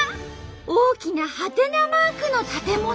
大きなはてなマークの建物。